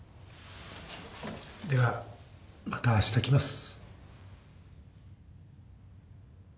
ではまたあした来ます。